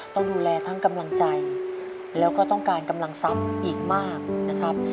ต้องดูแลทั้งกำลังใจแล้วก็ต้องการกำลังทรัพย์อีกมากนะครับ